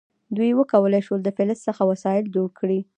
دوی وکولی شول له فلز څخه وسایل جوړ کړي.